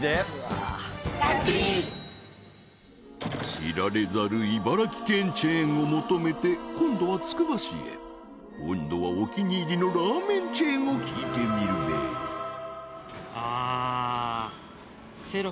知られざる茨城県チェーンを求めて今度はつくば市へ今度はお気に入りのラーメンチェーンを聞いてみるべあっ